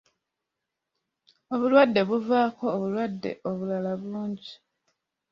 Obulwadde buvaako obulwadde obulala bungi.